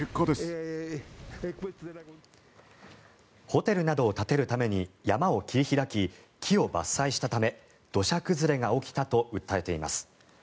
ホテルなどを建てるために山を切り開き木を伐採したため土砂崩れが起きたと訴えています。